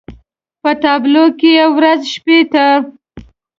په تابلو کې يې ورځ شپې ته